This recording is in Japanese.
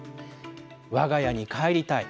わが家に帰りたい。